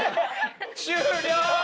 終了！